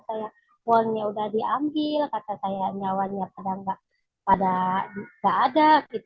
wawonnya sudah diambil kata saya nyawanya pada gak ada